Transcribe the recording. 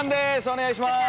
お願いします。